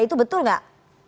itu betul nggak